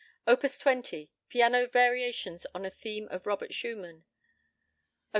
Op. 20, Piano variations on a theme of Robert Schumann. Op.